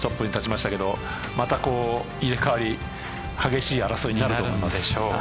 今中島選手を抜いて金谷選手がトップに立ちましたけどまた入れ替わり激しい争いになると思います。